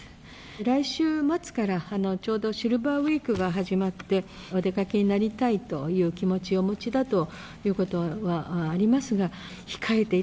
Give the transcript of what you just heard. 来週末からちょうどシルバーウィークが始まって、お出かけになりたいという気持ちをお持ちだということはあります